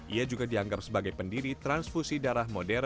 ia juga dianggap sebagai pendiri transfusi darah modern